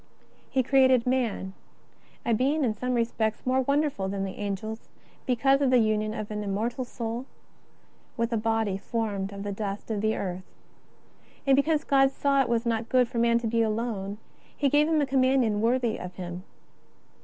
He created man, a being in some respects more won derful than the Angels, because of the union of an im mortal spirit with a body formed of the dust of the earth. And because God saw it was not good for man to be alone. He gave him a companion worthy of him.